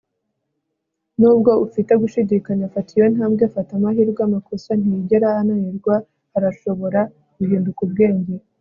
nubwo ufite ugushidikanya, fata iyo ntambwe. fata amahirwe. amakosa ntiyigera ananirwa - arashobora guhinduka ubwenge.